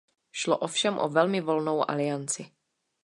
Šlo ovšem o velmi volnou alianci.